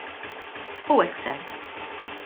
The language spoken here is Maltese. U hekk sar.